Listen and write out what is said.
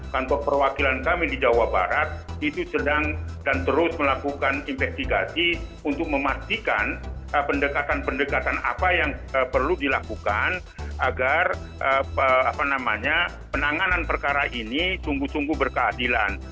kantor perwakilan kami di jawa barat itu sedang dan terus melakukan investigasi untuk memastikan pendekatan pendekatan apa yang perlu dilakukan agar penanganan perkara ini sungguh sungguh berkeadilan